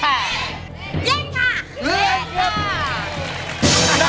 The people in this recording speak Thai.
เล่นค่ะ